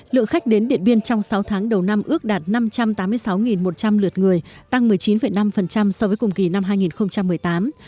lượng khách đến điện biên trong sáu tháng đầu năm ước đạt năm trăm tám mươi sáu một trăm linh lượt người tăng một mươi chín năm so với cùng kỳ năm hai nghìn một mươi tám